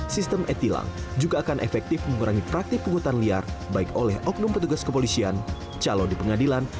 sistem e tilang juga akan efektif mengurangi praktik pungutan liar baik oleh oknum petugas kepolisian calon di pengadilan